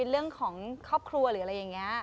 เรื่องของครอบครัวหรืออะไรอย่างนี้